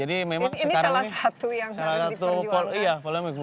ini salah satu yang harus diperjuangkan